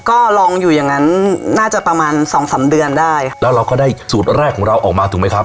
ก็ลองอยู่อย่างงั้นน่าจะประมาณสองสามเดือนได้แล้วเราก็ได้สูตรแรกของเราออกมาถูกไหมครับ